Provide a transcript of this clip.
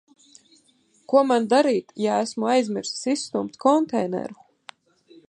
Ko man darīt, ja esmu aizmirsis izstumt konteineru?